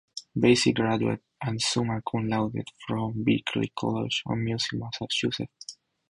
Blasek graduated "summa cum laude" from Berklee College of Music in Massachusetts.